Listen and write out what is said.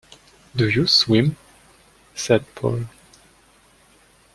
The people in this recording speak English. “Do you swim?” said Paul.